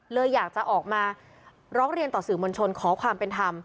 เลยอยากจะออกมาร้องเรียนต่อสื่อมวลชนขอความเป็นธรรม